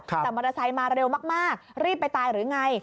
แต่มอเตอร์ไซค์มาเร็วมากรีบไปตายหรือไง